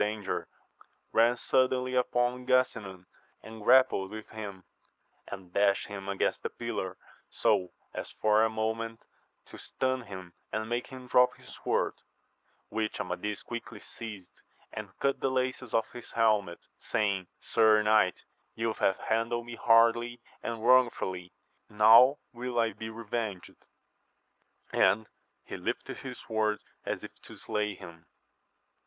159 danger, ran suddenly upon Gasinan and grappled with him, and dashed him against the pillar, so as for a moment to stun him and make him drop his sword, which Amadis quickly seized, and cut the laces of his helmet, saying, Sir knight, you have handled me hardly and wrongfully, now will I be revenged ! and he lifted his sword as if to slay him.